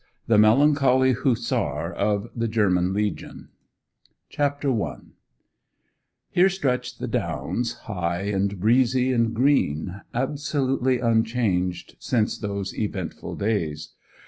THE MELANCHOLY HUSSAR OF THE GERMAN LEGION CHAPTER I Here stretch the downs, high and breezy and green, absolutely unchanged since those eventful days.